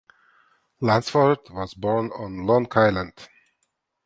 Lunsford was born on Long Island.